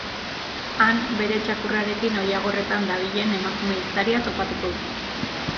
Han bere txakurrarekin oilagorretan dabilen emakume ehiztaria topatuko du.